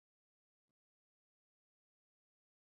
د ابریشم تنګی په کابل سیند کې دی